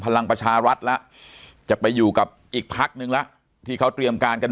พลังประชารัฐแล้วจะไปอยู่กับอีกพักนึงแล้วที่เขาเตรียมการกัน